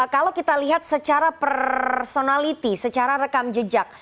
kalau kita lihat secara personality secara rekam jejak